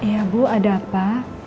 ya bu ada apa